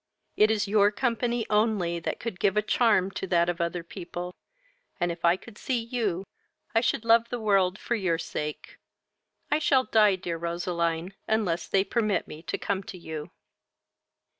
It is your company only that could give a charm to that of other people, and, if I could see you, I should love the world for your sake. I shall die, dear Roseline, unless they permit me to come to you.